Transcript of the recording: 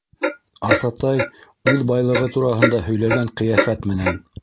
Асатай үҙ байлығы тураһында һөйләгән ҡиәфәт менән: